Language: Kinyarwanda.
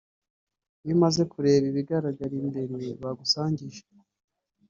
iyo umaze kureba ibigaragara imbere bagusangije